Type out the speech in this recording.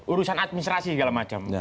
urusan administrasi segala macam